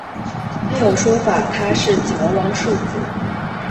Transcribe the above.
另有说法他是景文王庶子。